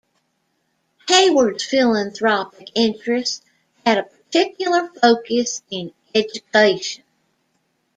Heywood's philanthropic interests had a particular focus in education.